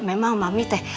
memang mami teh